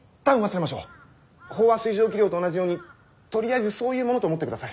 飽和水蒸気量と同じようにとりあえずそういうものと思ってください。